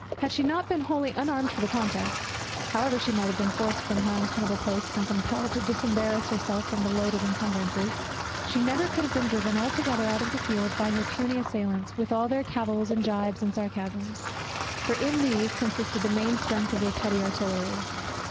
Had she not been wholly unarmed for the contest, however she might have been forced from her untenable posts, and compelled to disembarrass herself from her load of incumbrances, she never could have been driven altogether out of the field by her puny assailants, with all their cavils, and gibes, and sarcasms; for in these consisted the main strength of their petty artillery.